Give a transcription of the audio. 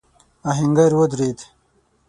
آهنګر ودرېد.